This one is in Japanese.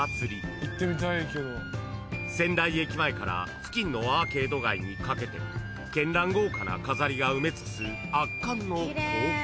［仙台駅前から付近のアーケード街にかけて絢爛豪華な飾りが埋め尽くす圧巻の光景］